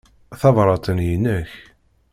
Tabṛat-nni i nekk.